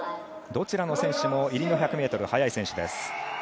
どちらの選手も入りの１００ｍ速い選手です。